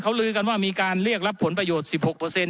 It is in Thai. เขาลือกันว่ามีการเรียกรับผลประโยชน์๑๖